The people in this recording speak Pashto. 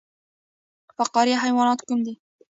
فقاریه حیوانات کوم دي؟